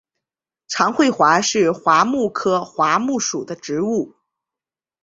长穗桦是桦木科桦木属的植物。